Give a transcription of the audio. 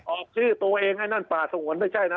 ออกชื่อตัวเองไอ้นั่นป่าสงวนไม่ใช่นะ